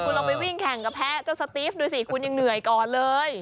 คุณลองไปวิ่งแข่งกับแพ้เจ้าสตีฟดูสิคุณยังเหนื่อยก่อนเลย